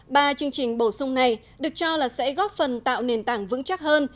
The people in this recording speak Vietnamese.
ba chương trình bổ sung này được cho là sẽ góp phần tạo nền tảng vững chắc hơn